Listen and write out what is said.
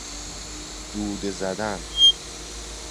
دوده زدن